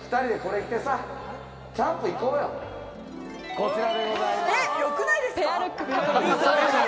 こちらでございます。